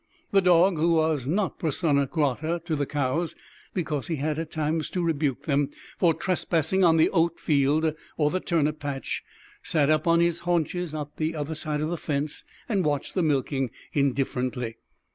The dog, who was not persona grata to the cows, because he had at times to rebuke them for trespassing on the oat field or the turnip patch, sat up on his haunches at the other side of the fence and watched the milking indifferently.